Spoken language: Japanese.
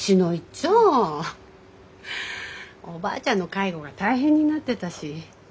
おばあちゃんの介護が大変になってたし。